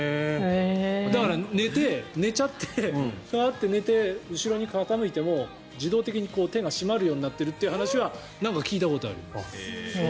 だから、寝ちゃってふわっと寝て後ろに傾いても自動的に手が締まるようになってるっていう話はなんか聞いたことある。